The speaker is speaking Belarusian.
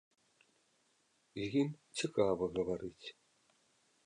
З ім цікава гаварыць.